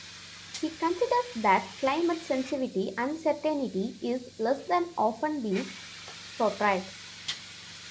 He considers that climate sensitivity uncertainty is less than has often been portrayed.